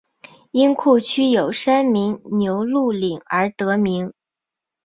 因库区有山名牛路岭而得名。